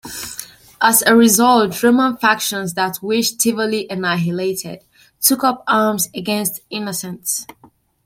As a result, Roman factions that wished Tivoli annihilated took up arms against Innocent.